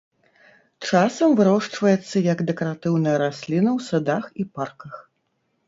Часам вырошчваецца як дэкаратыўная расліна ў садах і парках.